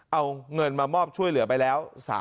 เอาเงินมามอบช่วยเหลือไปแล้ว